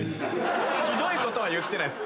ひどいことは言ってないっす。